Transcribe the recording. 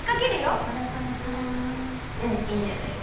うんいいんじゃない？